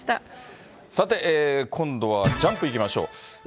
さて、今度はジャンプにいきましょう。